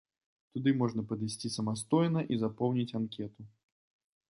Туды можна падысці самастойна і запоўніць анкету.